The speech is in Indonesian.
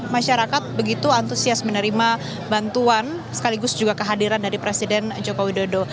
masyarakat begitu antusias menerima bantuan sekaligus juga kehadiran dari presiden joko widodo